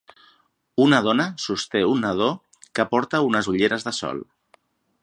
Una dona sosté un nadó que porta unes ulleres de sol.